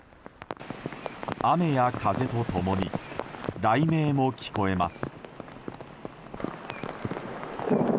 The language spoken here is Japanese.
雨や風と共に雷鳴も聞こえます。